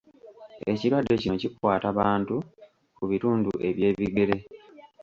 Ekirwadde kino kikwata bantu ku bitundu eby’ebigere.